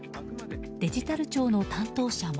デジタル庁の担当者も。